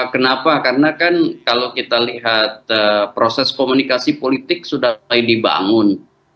kenapa karena kan kalau kita lihat proses komunikasi politik sudah mulai dibangun